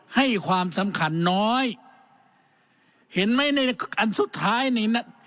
ให้ความสำคัญน้อยเห็นไหมในอันสุดท้ายนี่น่ะ